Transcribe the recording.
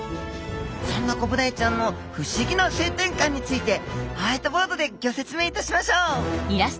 そんなコブダイちゃんの不思議な性転換についてホワイトボードでギョ説明いたしましょう